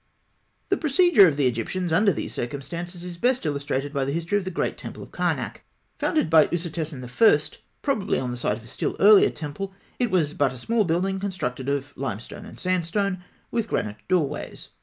The procedure of the Egyptians under these circumstances is best illustrated by the history of the great temple of Karnak. Founded by Ûsertesen I., probably on the site of a still earlier temple, it was but a small building, constructed of limestone and sandstone, with granite doorways.